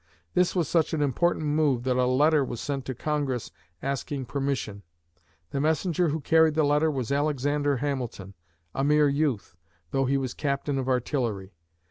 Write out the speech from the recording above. This was such an important move that a letter was sent to Congress asking permission. The messenger who carried the letter was Alexander Hamilton, a mere youth, though he was captain of artillery.